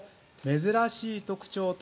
◆珍しい特徴？